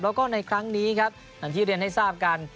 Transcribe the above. แล้วก็ในครั้งนี้ครับอย่างที่เรียนให้ทราบกัน